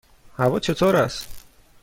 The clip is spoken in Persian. هوا چطور است؟